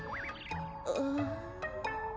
ああ。